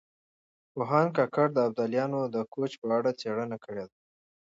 پوهاند کاکړ د ابدالیانو د کوچ په اړه څېړنه کړې ده.